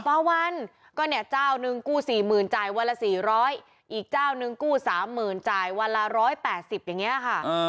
ต่อวันก็เนี่ยเจ้านึงกู้๔๐๐๐จ่ายวันละ๔๐๐อีกเจ้านึงกู้๓๐๐๐จ่ายวันละ๑๘๐อย่างนี้ค่ะ